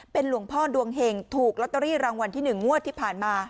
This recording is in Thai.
หลวงพ่อดวงเห็งถูกลอตเตอรี่รางวัลที่๑งวดที่ผ่านมา